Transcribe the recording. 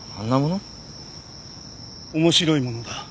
面白いものだ。